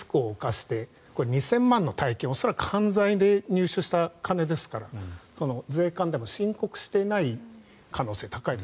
２０００万円の大金を犯罪で入手した金ですから税関でも申告していない可能性が高いです。